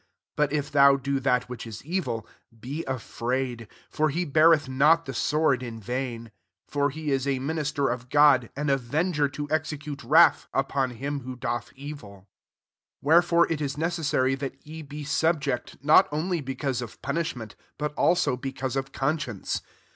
But if thou do that which is evil, be afraid: for he beareth not the sword in vain : for he is a mi nister of God, an avenger [to execute wrathj upon him who doth evil. 5 Wherefore it is necessary that ye be subject, not only be cause of punishment, but s^ao because of conscience.